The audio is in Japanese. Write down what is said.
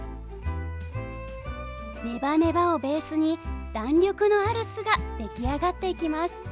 ネバネバをベースに弾力のある巣が出来上がっていきます。